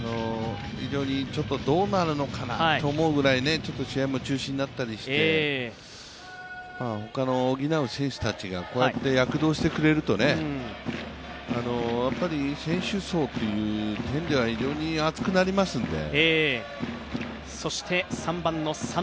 どうなるのかなと思うぐらい試合も中止になったりして、他の補う選手たちがこうやって躍動してくれるとやっぱり選手層という点では非常に厚くなりますので。